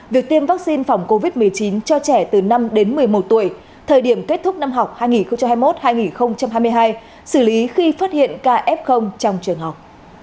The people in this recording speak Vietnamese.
việc tiêm vaccine phòng covid một mươi chín cho trẻ từ năm đến một mươi một tuổi thời điểm kết thúc năm học hai nghìn hai mươi một hai nghìn hai mươi hai xử lý khi phát hiện ca f trong trường học